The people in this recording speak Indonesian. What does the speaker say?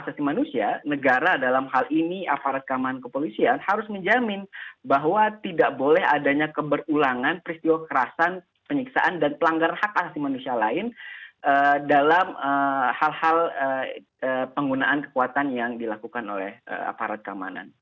asasi manusia negara dalam hal ini aparat keamanan kepolisian harus menjamin bahwa tidak boleh adanya keberulangan peristiwa kerasan penyiksaan dan pelanggar hak asli manusia lain dalam hal hal penggunaan kekuatan yang dilakukan oleh aparat keamanan